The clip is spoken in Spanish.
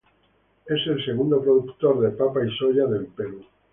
Es el segundo productor de papa y soya del Perú.